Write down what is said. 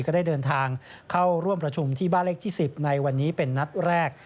ก็ได้เดินทางเข้าร่วมประชุมที่บ้านเลขที่๑๐ในวันนี้เป็นนัดแรก